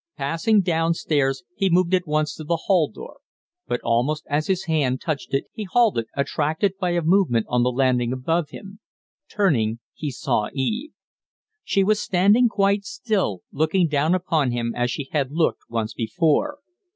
Passing down stairs, he moved at once to the hall door; but almost as his hand touched it he halted, attracted by a movement on the landing above him. Turning, he saw Eve. She was standing quite still, looking down upon him as she had looked once before.